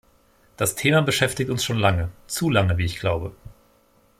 Das Thema beschäftigt uns schon lange, zu lange, wie ich glaube.